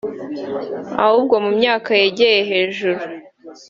ahubwo mu myaka yegeye hejuru